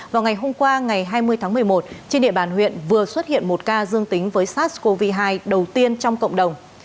vào ngày hôm qua ngày hai mươi tháng một mươi một trên địa bàn huyện vừa xuất hiện một ca dương tính với sars cov hai đầu tiên trong cộng đồng